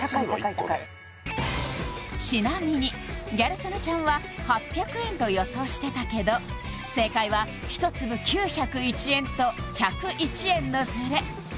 １個でちなみにギャル曽根ちゃんは８００円と予想してたけど正解は１粒９０１円と１０１円のズレ